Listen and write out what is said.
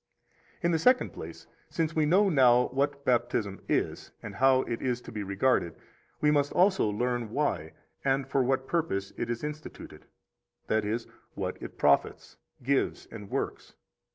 23 In the second place, since we know now what Baptism is, and how it is to be regarded, we must also learn why and for what purpose it is instituted; that is, what it profits, gives, and works.